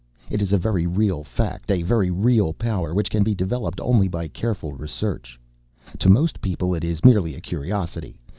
It is a very real fact, a very real power which can be developed only by careful research. To most people it is merely a curiosity.